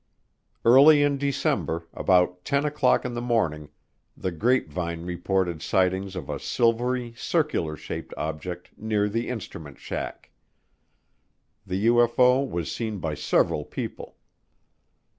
Early in December, about ten o'clock in the morning, the grapevine reported sightings of a silvery, circular shaped object near the instrument shack. The UFO was seen by several people.